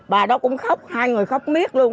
bà đó cũng khóc hai người khóc miếc luôn